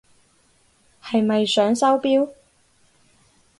係咪想收錶？